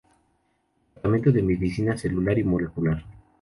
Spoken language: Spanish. Departamento de Medicina Celular y Molecular.